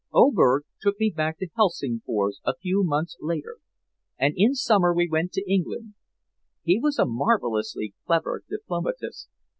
Oberg took me back to Helsingfors a few months later, and in summer we went to England. He was a marvelously clever diplomatist.